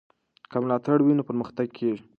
که ملاتړ وي نو پرمختګ کېږي.